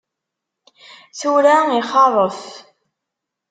Tura ixeṛṛef.